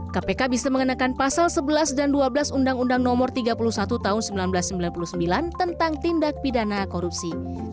kpk bisa mengenakan pasal sebelas dan dua belas undang undang no tiga puluh satu tahun seribu sembilan ratus sembilan puluh sembilan tentang tindak pidana korupsi